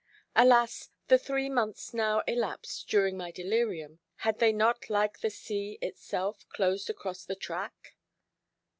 Alas, the three months now elapsed during my delirium, had they not like the sea itself closed across the track?